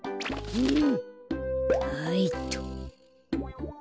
うん？